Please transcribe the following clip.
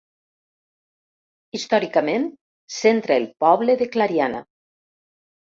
Històricament centra el poble de Clariana.